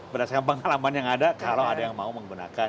berdasarkan pengalaman yang ada kalau ada yang mau menggunakan